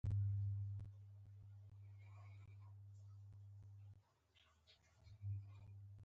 په دې درس کې د پوهاند صدیق الله رښتین په اړه ولولئ.